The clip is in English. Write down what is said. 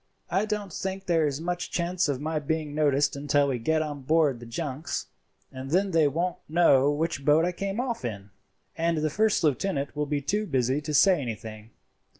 "I don't think there is much chance of my being noticed until we get on board the junks, and then they won't know which boat I came off in, and the first lieutenant will be too busy to say anything.